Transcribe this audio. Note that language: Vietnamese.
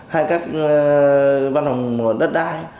hay các văn hồng đất đai